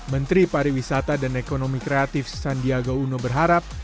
menteri pariwisata dan ekonomi kreatif sandiaga uno berharap